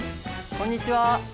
こんにちは。